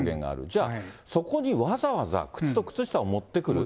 じゃあ、そこにわざわざ靴と靴下を持ってくる。